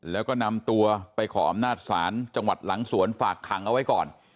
แล้วก็นำตัวไปขออำนาจศาลจังหวัดหลังสวนฝากขังเอาไว้ก่อน